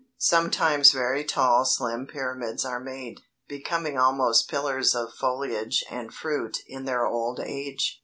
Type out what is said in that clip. Sometimes very tall slim pyramids are made, becoming almost pillars of foliage and fruit in their old age.